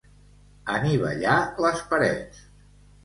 Anivellar les parets.